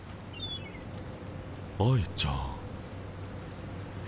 愛ちゃん。